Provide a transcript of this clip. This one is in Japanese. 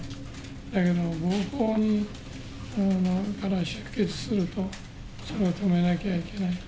だけどぼうこうから出血すると、それを止めなきゃいけない。